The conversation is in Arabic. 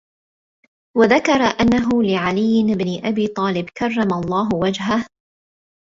وَذَكَرَ أَنَّهُ لِعَلِيِّ بْنِ أَبِي طَالِبٍ كَرَّمَ اللَّهُ وَجْهِهِ